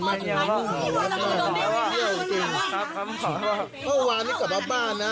เพราะวันนี้กลับมาบ้านนะ